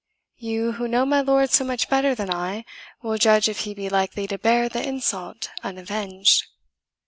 You, who know my lord so much better than I, will judge if he be likely to bear the insult unavenged."